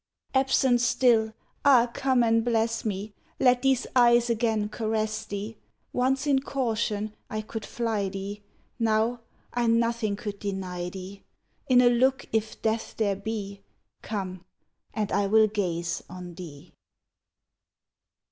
Absent still! Ah! come and bless me! Let these eyes again caress thee. Once in caution, I could fly thee; Now, I nothing could deny thee. In a look if death there be, Come, and I will gaze on thee!